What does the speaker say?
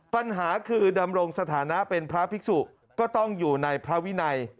ปัญหาคือดำรงสถานะเป็นพระภิกษุก็ต้องอยู่ในพระวินัย